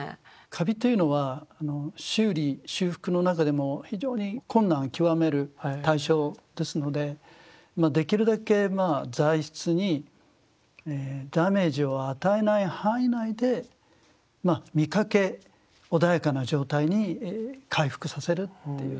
カビというのは修理修復の中でも非常に困難を極める対象ですのでできるだけまあ材質にダメージを与えない範囲内でまあ見かけ穏やかな状態に回復させるっていう。